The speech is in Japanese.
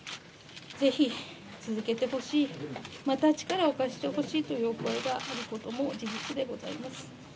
ぜひ続けてほしい、また力を貸してほしいというお声があることも事実でございます。